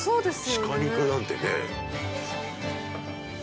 シカ肉なんてね。